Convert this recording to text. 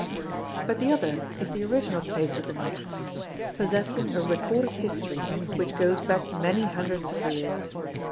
But the other is the original place of the name, possessing a recorded history which goes back many hundreds of years.